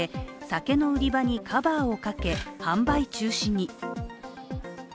酒の売り場にカバーをかけ、販売中止に。